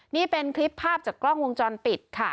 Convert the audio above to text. นี่เป็นคลิปภาพจากกล้องวงจรปิดค่ะ